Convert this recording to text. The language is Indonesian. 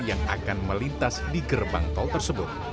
yang akan melintas di gerbang tol tersebut